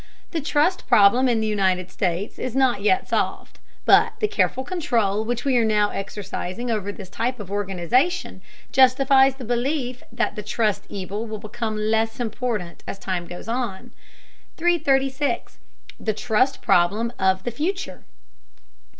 The trust problem in the United States is not yet solved, but the careful control which we are now exercising over this type of organization justifies the belief that the trust evil will become less important as time goes on. 336. THE TRUST PROBLEM OF THE FUTURE.